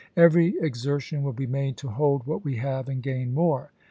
Every exertion will be made to hold what we have and gain more.